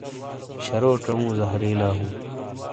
شرو چاؤوں زہریلا ہوں ۔